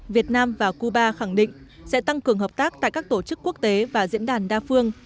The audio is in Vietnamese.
việt nam và cuba khẳng định sẽ tăng cường hợp tác tại các tổ chức quốc tế và diễn đàn đa phương